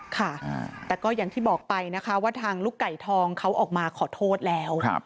ค่ะแต่ก็อย่างที่บอกไปนะคะว่าทางลูกไก่ทองเขาออกมาขอโทษแล้ว